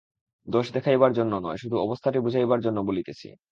দোষ দেখাইবার জন্য নয়, শুধু অবস্থাটি বুঝাইবার জন্য বলিতেছি।